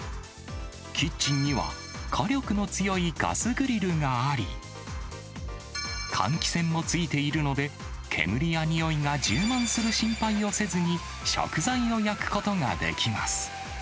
キッチンには火力の強いガスグリルがあり、換気扇も付いているので、煙やにおいが充満する心配をせずに、食材を焼くことができます。